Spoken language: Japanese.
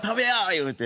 言うて。